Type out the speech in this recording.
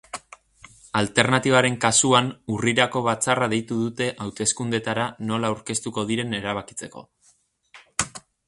Alternatibaren kasuan, urrirako batzarra deitu dute hauteskundeetara nola aurkeztuko diren erabakitzeko.